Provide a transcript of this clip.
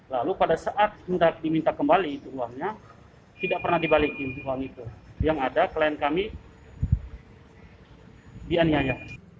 lalu pada saat diminta kembali itu uangnya tidak pernah dibalikin uang itu yang ada klien kami dianiaya